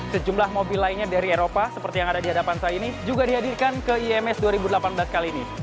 sejumlah mobil lainnya dari eropa seperti yang ada di hadapan saya ini juga dihadirkan ke ims dua ribu delapan belas kali ini